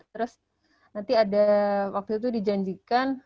terus nanti ada waktu itu dijanjikan